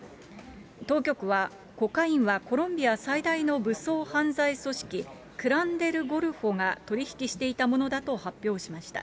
当局はコカインはコロンビア最大の武装犯罪組織、クラン・デル・ゴルフォが取り引きしていたものだと発表しました。